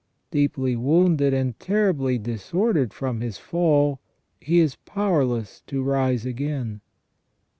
Deeply wounded and terribly disordered from his fall, he is power less to rise again.